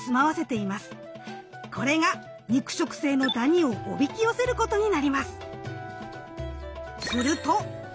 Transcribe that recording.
これが肉食性のダニをおびき寄せることになります。